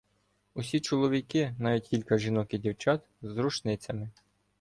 Усі чоловіки, навіть кілька жінок і дівчат, — з рушницями.